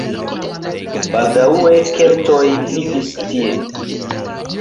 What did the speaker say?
Baldaŭe keltoj vivis tie.